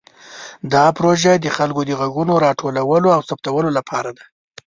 دا پروژه د خلکو د غږونو راټولولو او ثبتولو لپاره ده.